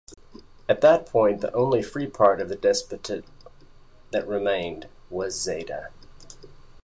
At that point the only free part of the Despotate that remained was Zeta.